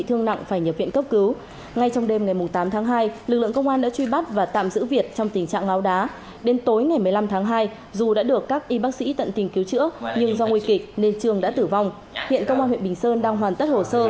hiện công an huyện bình sơn đang hoàn tất hồ sơ